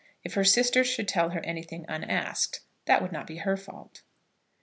If her sister should tell her anything unasked, that would not be her fault.